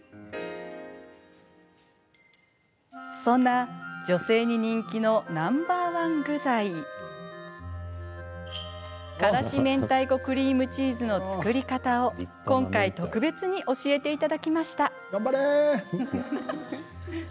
そんな、女性に人気のナンバー１具材からし明太子クリームチーズの作り方を今回特別に教えていただきました。